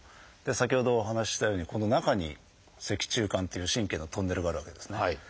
先ほどお話ししたようにこの中に脊柱管っていう神経のトンネルがあるわけですね。